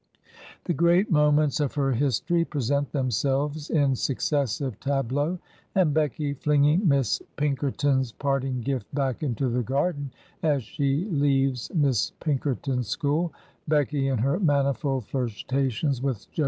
The great moments of her history present themselves in successive tableaux, and Becky flinging Miss Pinker ton's parting gift back into the garden as she leaves Miss Pinkerton's school; Becky in her manifold flirta tions with Jos.